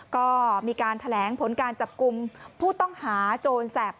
ก็มีการแถลงผลการจับกลุ่มผู้ต้องหาโจรแสบ